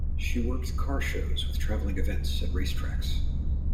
She worked car shows with traveling events at race tracks.